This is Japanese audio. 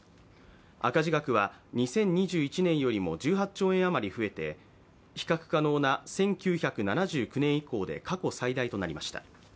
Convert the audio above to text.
赤字額は２０２１年よりも１８兆円余り増えて比較可能な１９７９年以降で過去最大となりました。